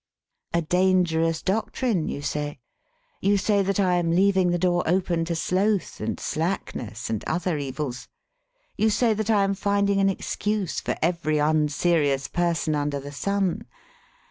"A dangerous doctrine, you say. You say that I am leaving the door open to sloth and slack ness and other evils. You say that I am finding an excuse for every unscrious person under the sun.